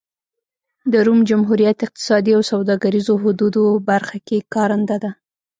د روم جمهوریت اقتصادي او سوداګریزو حدودو برخه کې کارنده ده.